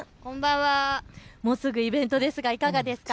もうすぐイベントですがいかがですか。